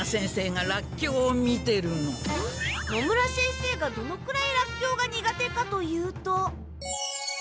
野村先生がどのくらいラッキョウが苦手かというと。